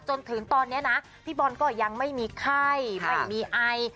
จนถึงตอนนี้นะพี่บอลก็ยังไม่มีไข้ไม่มีไอ